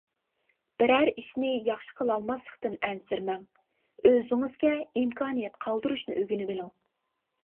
بىرەر ئىشنى ياخشى قىلالماسلىقتىن ئەنسىرىمەڭ، ئۆزىڭىزگە ئىمكانىيەت قالدۇرۇشنى ئۆگىنىۋېلىڭ.